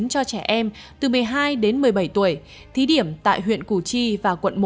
cho trẻ em từ một mươi hai đến một mươi bảy tuổi thí điểm tại huyện củ chi và quận một